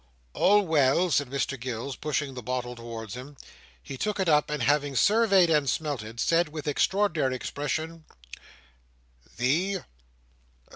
"All well," said Mr Gills, pushing the bottle towards him. He took it up, and having surveyed and smelt it, said with extraordinary expression: "The?"